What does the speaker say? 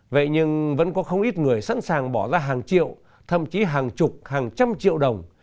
vậy nhưng vẫn có không ít người sẵn sàng bỏ ra hàng triệu thậm chí hàng chục hàng trăm triệu đồng